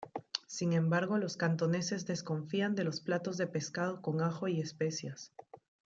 Sin embargo, los cantoneses desconfían de los platos de pescado con ajo y especias.